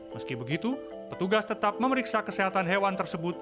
meski begitu petugas tetap memeriksa kesehatan hewan tersebut